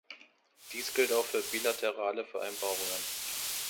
Dies gilt auch für bilaterale Vereinbarungen.